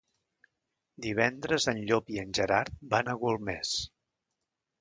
Divendres en Llop i en Gerard van a Golmés.